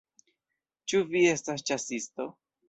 Ĉu vi estas ĉasisto?